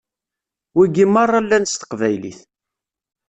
Wigi meṛṛa llan s teqbaylit.